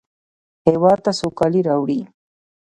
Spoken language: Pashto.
هېواد ته سوکالي راوړئ